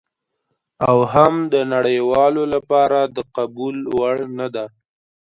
او هم د نړیوالو لپاره د قبول وړ نه ده.